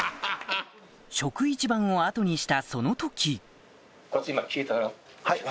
「食一番」を後にしたその時はい。